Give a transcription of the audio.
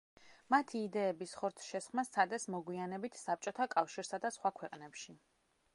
მათი იდეების ხორცშესხმა სცადეს მოგვიანებით საბჭოთა კავშირსა და სხვა ქვეყნებში.